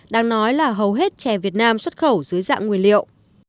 đang nói là hầu hết chè việt nam xuất khẩu dưới dạng nguyên liệu